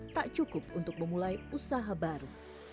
tak cukup untuk memulai usaha baru